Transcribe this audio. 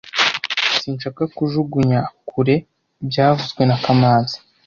Sinshaka kujugunya kure byavuzwe na kamanzi